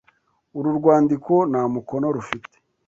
Uru rwandiko nta mukono rufite.